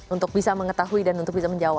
untuk bisa mengetahui dan untuk bisa menjawab